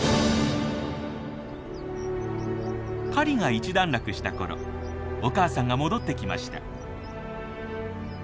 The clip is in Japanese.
狩りが一段落したころお母さんが戻ってきました。